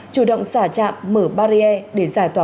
chủ động xả trạm mở barrier để giải tỏa